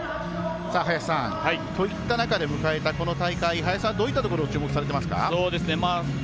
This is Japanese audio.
林さん、といった中で迎えたこの大会、林さんどういったところ注目されてますか？